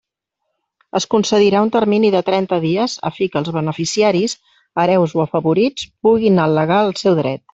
Es concedirà un termini de trenta dies a fi que els beneficiaris, hereus o afavorits puguin al·legar el seu dret.